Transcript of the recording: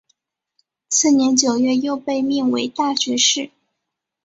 次年九月又被命为大学士。